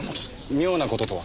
妙な事とは？